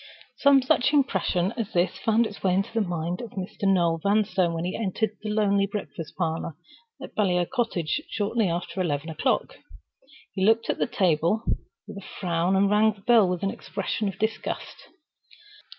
Some such impression as this found its way into the mind of Mr. Noel Vanstone when he entered the lonely breakfast parlor at Baliol Cottage shortly after eleven o'clock. He looked at the table with a frown, and rang the bell with an expression of disgust.